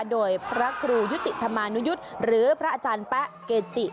โดยพระครูยุติธรรมานุยุทธ์หรือพระอาจารย์แป๊ะเกจิ